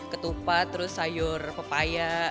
ketupat terus sayur pepaya